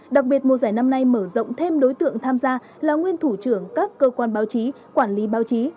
đặc biệt mùa giải năm nay mở rộng thêm đối tượng tham gia là nguyên thủ trưởng các cơ quan báo chí quản lý báo chí